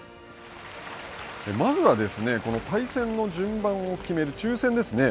まずは、対戦の順番を決める抽せんですね。